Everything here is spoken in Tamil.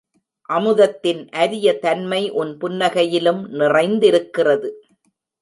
அமுதத்தின் அரிய தன்மை உன் புன்னகையிலும் நிறைந்திருக்கிறது.